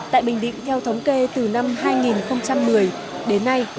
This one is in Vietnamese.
tại bình định theo thống kê từ năm hai nghìn một mươi đến nay